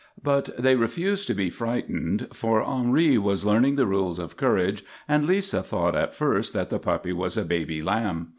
But they refused to be frightened, for Henri was learning the rules of courage and Lisa thought at first that the puppy was a baby lamb.